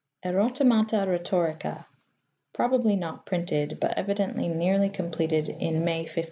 Erotemata rhetorica. — Probably not printed, but evidently nearly completed in May 1540.